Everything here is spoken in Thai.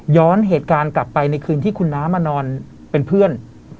เหตุการณ์กลับไปในคืนที่คุณน้ามานอนเป็นเพื่อน